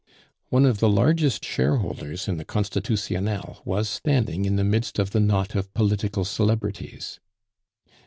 One of the largest shareholders in the Constitutionnel was standing in the midst of the knot of political celebrities.